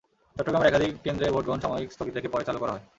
চট্টগ্রামের একাধিক কেন্দ্রে ভোট গ্রহণ সাময়িক স্থগিত রেখে পরে চালু করা হয়।